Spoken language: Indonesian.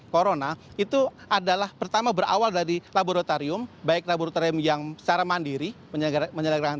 corona itu adalah pertama berawal dari laboratorium baik laboratorium yang secara mandiri menyelenggarakan